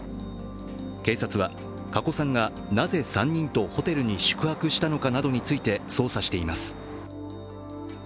警察は加古さんがなぜ、３人とホテルに宿泊したのかなどについて捜査しています。